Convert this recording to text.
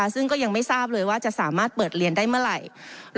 ซึ่งก็ยังไม่ทราบเลยว่าจะสามารถเปิดเรียนได้เมื่อไหร่